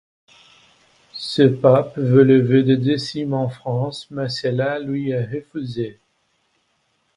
Ce pape veut lever des décimes en France, mais cela lui est refusé.